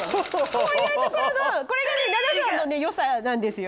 こういうところがこれが奈々さんの良さなんですよ。